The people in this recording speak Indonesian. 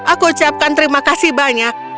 aku ucapkan terima kasih banyak